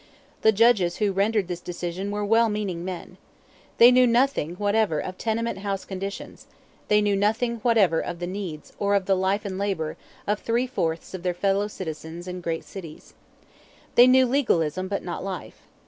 The judges who rendered this decision were well meaning men. They knew nothing whatever of tenement house conditions; they knew nothing whatever of the needs, or of the life and labor, of three fourths of their fellow citizens in great cities. They knew legalism, but not life.